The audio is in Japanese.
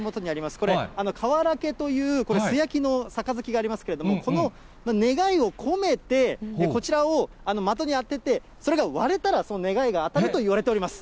これ、かわらけという素焼きの杯がありますけれども、この願いを込めて、こちらを的に当てて、それが割れたら、その願いが当たるといわれております。